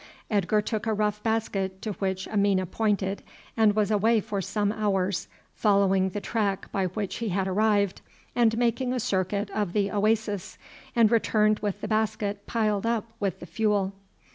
Edgar took a rough basket to which Amina pointed and was away for some hours, following the track by which he had arrived and making a circuit of the oasis, and returned with the basket piled up with the fuel.